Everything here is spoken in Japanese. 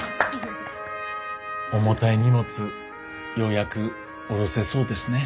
重たい荷物ようやく下ろせそうですね。